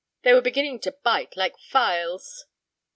They were beginning to bite like files."